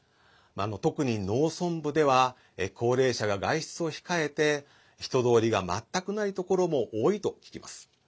特に、農村部では高齢者が外出を控えて人通りが全くないところも多いと聞きます。